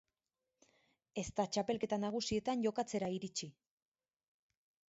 Ez da txapelketa nagusietan jokatzera iritsi.